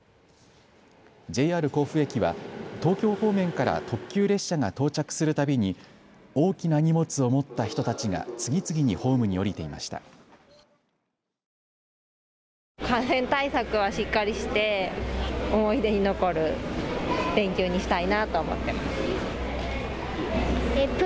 ＪＲ甲府駅は東京方面から特急列車が到着するたびに大きな荷物を持った人たちが次々にホームに降りていました。